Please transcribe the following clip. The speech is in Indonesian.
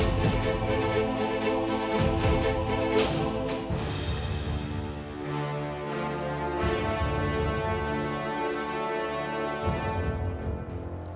sampai jumpa lagi